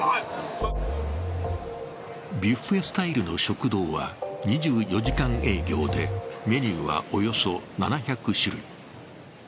ビュッフェスタイルの食堂は２４時間営業で、メニューはおよそ７００種類。